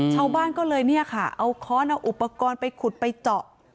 ชาวบ้านก็เลยเนี่ยค่ะเอาค้อนเอาอุปกรณ์ไปขุดไปเจาะ